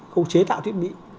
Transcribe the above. khâu chế tạo thiết bị